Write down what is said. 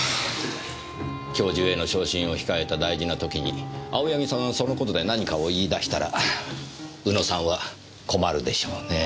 教授への昇進を控えた大事な時に青柳さんがそのことで何かを言い出したら宇野さんは困るでしょうね。